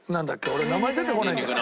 俺名前出てこないんだよ。